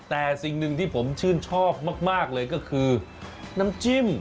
แต่สิ่งหนึ่งที่ผมชื่นชอบมากเลยก็คือน้ำจิ้ม